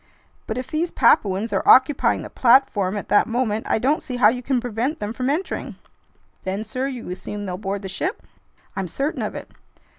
"But if these Papuans are occupying the platform at that moment, I don't see how you can prevent them from entering." "Then, sir, you assume they'll board the ship?" "I'm certain of it."